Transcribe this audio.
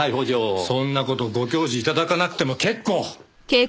そんな事ご教示頂かなくても結構。